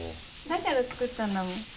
だから作ったんだもん。